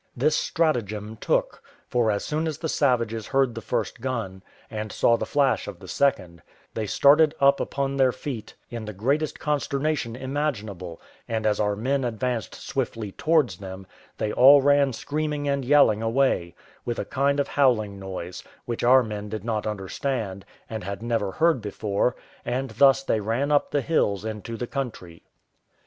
This stratagem took: for as soon as the savages heard the first gun, and saw the flash of the second, they started up upon their feet in the greatest consternation imaginable; and as our men advanced swiftly towards them, they all ran screaming and yelling away, with a kind of howling noise, which our men did not understand, and had never heard before; and thus they ran up the hills into the country.